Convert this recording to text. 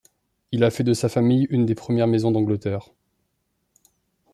Il a fait de sa famille une des premières maisons d’Angleterre.